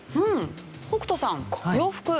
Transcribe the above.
北斗さん洋服。